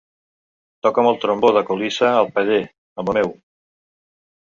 Toca'm el trombó de colissa al paller, amor meu.